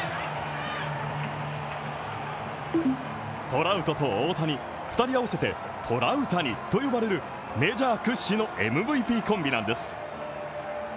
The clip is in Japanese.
トラウトと大谷、２人合わせてトラウタニと呼ばれるメジャー屈指のＭＶＰコンビなんです。